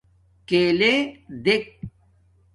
کݵلݺ دݵک.